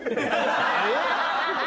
えっ？